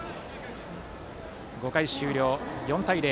５回終了で４対０。